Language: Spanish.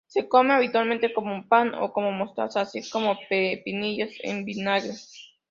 Se come habitualmente con pan o con mostaza, así como con pepinillos en vinagre.